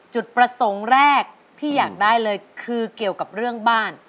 จุดประสงค์แรกที่อยากได้เลยคือเกี่ยวกับเรื่องบ้าน